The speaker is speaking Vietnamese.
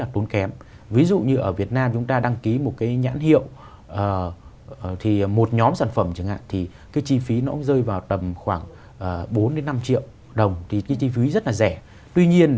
thì cái chi phí rất là rẻ tuy nhiên